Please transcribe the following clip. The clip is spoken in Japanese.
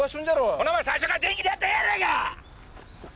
ほなお前最初から電気でやったらええやないか！！